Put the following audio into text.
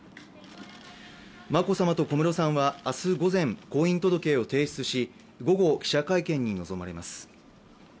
眞子さまと小室さんは明日午前、婚姻届を提出し午後、記者会見に臨まれます。